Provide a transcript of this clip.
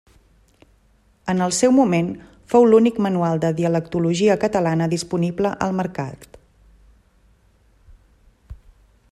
En el seu moment fou l'únic manual de dialectologia catalana disponible al mercat.